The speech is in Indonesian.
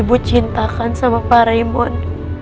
ibu cintakan sama para imun